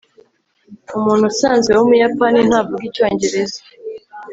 umuntu usanzwe wumuyapani ntavuga icyongereza